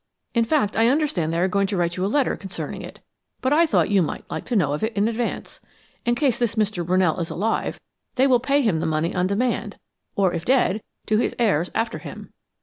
In fact, I understand they are going to write you a letter concerning it, but I thought you might like to know of it in advance. In case this Mr. Brunell is alive, they will pay him the money on demand, or if dead, to his heirs after him."